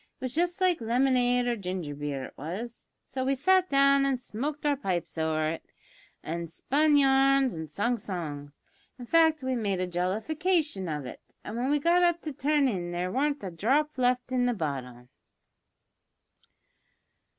It was just like lemonade or ginger beer, it was. So we sat down an' smoked our pipes over it, an' spun yarns an' sung songs; in fact we made a jollification of it, an' when we got up to turn in there warn't a dhrop left i' the bottle.